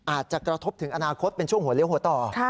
อาจจะกระทบถึงอนาคตเป็นช่วงหัวเลี้ยวหัวต่อ